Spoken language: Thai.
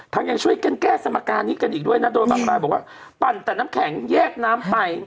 ยังช่วยกันแก้สมการนี้กันอีกด้วยนะโดยบางรายบอกว่าปั่นแต่น้ำแข็งแยกน้ำไป